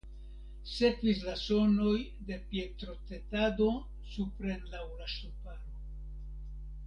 Sekvis la sonoj de piedtrotetado supren laŭ la ŝtuparo.